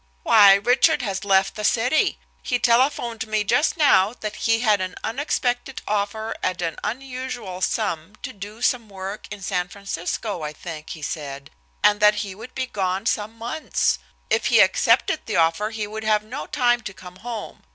"Why, Richard has left the city. He telephoned me just now that he had an unexpected offer at an unusual sum to do some work in San Francisco, I think, he said, and that he would be gone some months. If he accepted the offer he would have no time to come home.